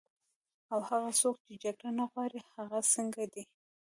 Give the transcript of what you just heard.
او هغه څوک چې جګړه نه غواړي، هغه څنګه دي؟